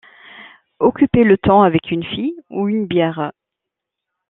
Occupez le temps avec une fille, ou une bière.